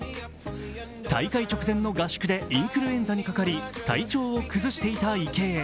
大会直前の合宿でインフルエンザにかかり体調を崩していた池江。